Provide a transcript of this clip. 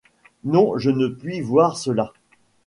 Non, je ne puis voir cela !